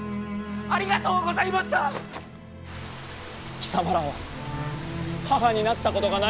貴様らは母になったことがないのか？